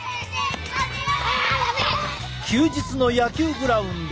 休日の野球グラウンド。